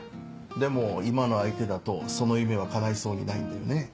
でも今の相手だとその夢は叶いそうにないんだよね？